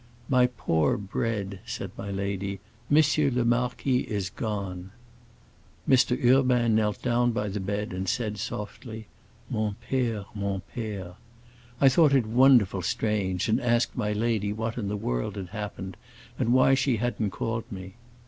'My poor Bread,' said my lady, 'M. le Marquis is gone.' Mr. Urbain knelt down by the bed and said softly, 'Mon père, mon père.' I thought it wonderful strange, and asked my lady what in the world had happened, and why she hadn't called me.